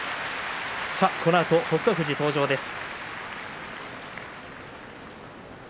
このあと北勝富士、登場です。